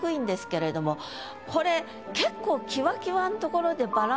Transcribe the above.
これ結構。